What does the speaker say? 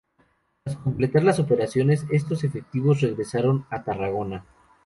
Tras completar las operaciones, estos efectivos regresaron a Tarragona.